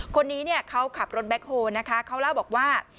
คนนี้เนี่ยเขาขับรถแบ็คโฮนะคะเขาเล่าบอกว่า